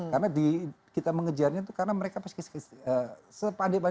karena kita mengejarnya itu karena mereka pas ke jaringan